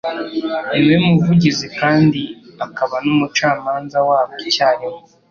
ni we Muvugizi kandi akaba n’Umucamanza wabwo icyarimwe